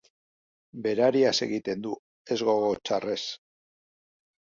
Berariaz egiten du, ez gogo txarrez.